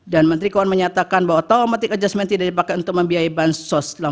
dan menteri keuangan menyatakan bahwa automatic adjustment tidak dipakai untuk membiayai bansos